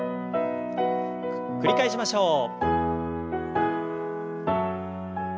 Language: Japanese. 繰り返しましょう。